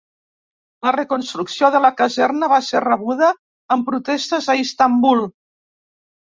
La reconstrucció de la caserna va ser rebuda amb protestes a Istanbul.